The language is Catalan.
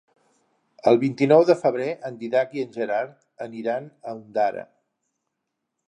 El vint-i-nou de febrer en Dídac i en Gerard aniran a Ondara.